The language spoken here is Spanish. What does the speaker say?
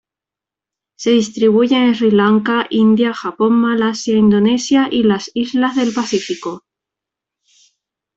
Se distribuyen en Sri Lanka, India, Japón, Malasia, Indonesia, y las islas del Pacífico.